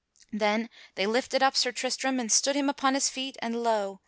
Then they lifted up Sir Tristram and stood him upon his feet, and lo!